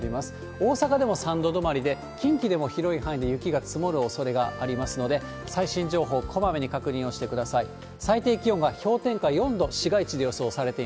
大阪でも３度止まりで、近畿でも広い範囲で雪が積もるおそれがありますので、最新情報、こまめに確認をしてください。